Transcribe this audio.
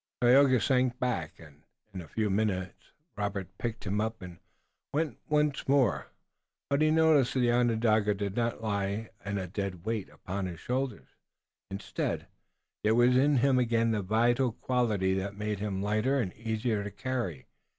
Tayoga sank back, and, in a few more minutes, Robert picked him up and went on once more. But he noticed that the Onondaga did not now lie a dead weight upon his shoulder. Instead, there was in him again the vital quality that made him lighter and easier to carry.